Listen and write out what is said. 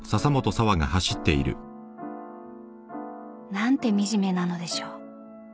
［何て惨めなのでしょう］